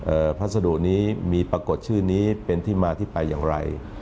พัสดุนี้มีปรากฏชื่อนี้เป็นที่มาที่ไปอย่างไร